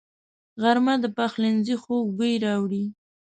غرمه د پخلنځي خوږ بوی راوړي